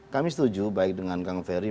kami setuju baik dengan kang ferry